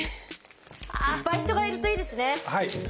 ああ人がいるといいですね。